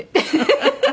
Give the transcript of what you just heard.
ハハハハ。